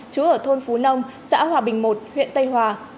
chú ở thôn phú nông xã hòa bình một huyện tây hòa